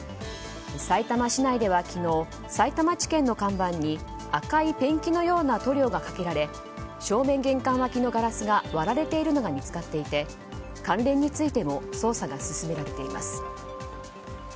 さいたま市内では昨日さいたま地検の看板に赤いペンキのような塗料がかけられ正面玄関脇のガラスが割られているのが見つかっていて関連についても捜査が進められています。